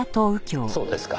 そうですか。